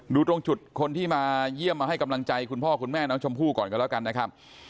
ดูตรงจุดคนที่มาเยี่ยมมาให้กำลังใจคุณพ่อคุณแม่น้องชมพู่ก่อนกันแล้วกันนะครับ